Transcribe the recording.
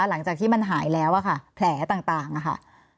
หลังจากที่มันหายแล้วค่ะแผลต่างค่ะ